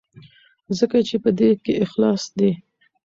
ځکه چې په دې کې اخلاص دی.